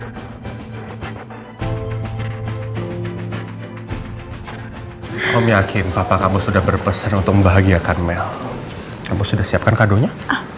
kamu yakin papa kamu sudah berpesan untuk membahagiakan mel kamu sudah siapkan kadonya